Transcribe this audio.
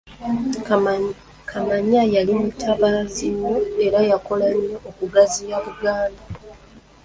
Kamaanya yali mutabaazi nnyo era yakola nnyo okugaziya Buganda.